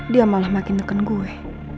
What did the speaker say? dia malah makin neken gue